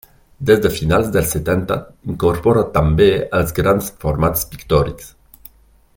Des de finals dels setanta, incorpora també els grans formats pictòrics.